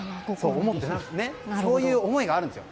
そういう思いがあるんですよ。